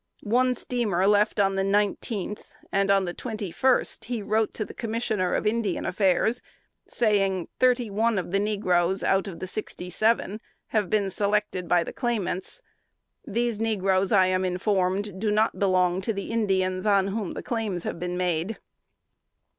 One steamer left on the nineteenth; and on the twenty first, he wrote the Commissioner of Indian Affairs, saying, "Thirty one of the negroes, out of the sixty seven, have been selected by the claimants. These negroes, I am informed, do not belong to the Indians on whom the claims have been made."